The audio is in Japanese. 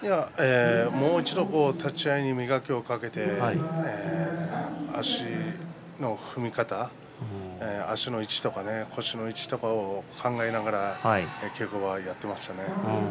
もう一度、立ち合いに磨きをかけて足の踏み方、足の位置とか腰の位置とかを考えながら稽古場でやっていました。